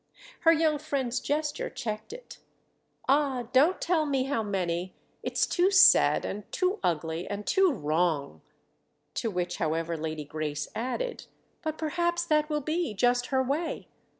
Her young friend's gesture checked it. "Ah, don't tell me how many—it's too sad and too ugly and too wrong!" To which, however, Lady Grace added: "But perhaps that will be just her way!"